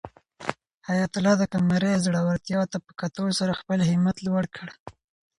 حیات الله د قمرۍ زړورتیا ته په کتو سره خپل همت لوړ کړ.